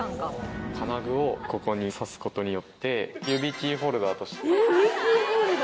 金具をここに刺すことによって、指キーホルダーとして。